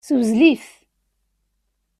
Ssewzel-it.